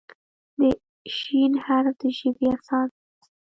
د "ش" حرف د ژبې اساس دی.